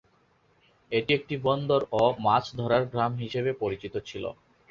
এটি একটি বন্দর ও মাছ ধরার গ্রাম হিসেবে পরিচিত ছিল।